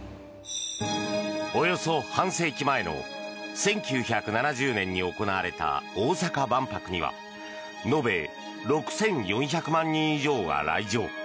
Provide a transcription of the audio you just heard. およそ半世紀前の１９７０年に行われた大阪万博には延べ６４００万人以上が来場。